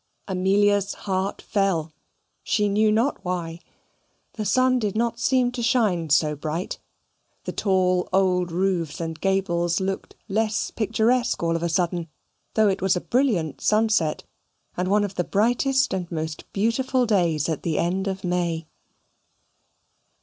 Amelia's heart fell she knew not why. The sun did not seem to shine so bright. The tall old roofs and gables looked less picturesque all of a sudden, though it was a brilliant sunset, and one of the brightest and most beautiful days at the end of May.